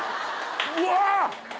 うわ！